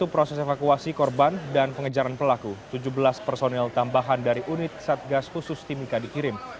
proses evakuasi korban dan pengejaran pelaku tujuh belas personel tambahan dari unit satgas khusus timika dikirim